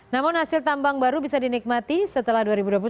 namun hasil tambang baru bisa dinikmati setelah dua ribu dua puluh satu